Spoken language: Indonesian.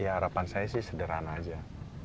ya harapan saya sih sederhana aja